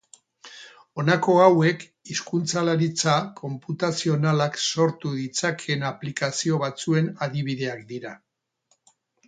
Honako hauek hizkuntzalaritza konputazionalak sortu ditzakeen aplikazio batzuen adibideak dira.